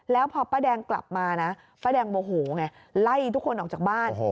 แล้วพอป้าแดงกลับมานะป้าแดงโมโหไงไล่ทุกคนออกจากบ้าน